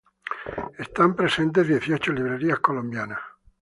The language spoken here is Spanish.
Están presentes dieciocho librerías colombianas.